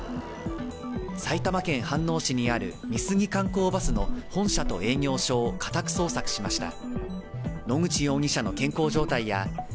埼玉県飯能市にある美杉観光バスの本社と営業所を家宅捜索しました。